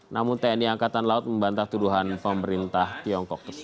namun tni angkatan laut membantah tuduhan pemerintah tiongkok tersebut